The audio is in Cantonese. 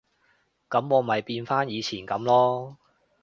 噉我咪變返以前噉囉